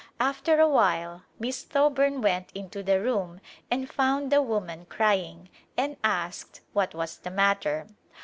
After a while Miss Thoburn went into the room and found the woman crying and asked what was the matter.